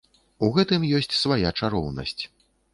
У гэтым ёсць свая чароўнасць.